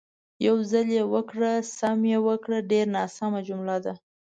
"یو ځل یې وکړه، سم یې وکړه" ډېره ناسمه جمله ده.